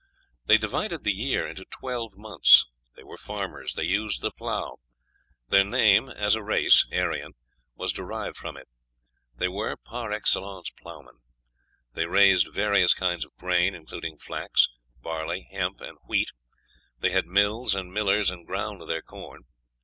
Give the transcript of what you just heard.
They divided the year into twelve months. They were farmers; they used the plough; their name as a race (Aryan) was derived from it; they were, par excellence, ploughmen; they raised various kinds of grain, including flax, barley, hemp, and wheat; they had mills and millers, and ground their corn.